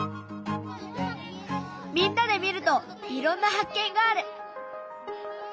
みんなで見るといろんな発見がある！